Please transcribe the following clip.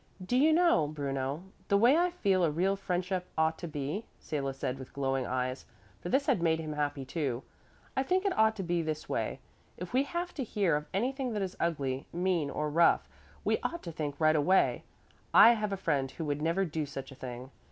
"Do you know, Bruno, the way I feel a real friendship ought to be?" Salo said with glowing eyes, for this had made him happy, too. "I think it ought to be this way: if we have to hear of anything that is ugly, mean or rough, we ought to think right away: I have a friend who would never do such a thing.